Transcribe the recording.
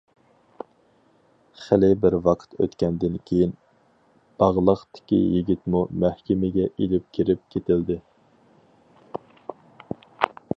خېلى بىر ۋاقىت ئۆتكەندىن كېيىن باغلاقتىكى يىگىتمۇ مەھكىمىگە ئېلىپ كىرىپ كېتىلدى.